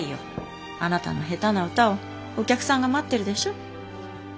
あなたの下手な歌をお客さんが待ってるでしょ。